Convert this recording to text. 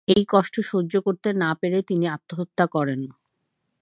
এই কষ্ট সহ্য করতে না পেরে তিনি আত্মহত্যা করেন।